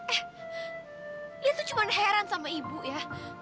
eh ya tuh cuma heran sama ibu ya